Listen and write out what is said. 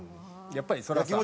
やっぱりそれはさ。